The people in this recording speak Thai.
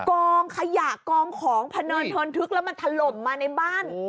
กองขยะกองของพันธนธุ์แล้วมันถล่มมาในบ้าน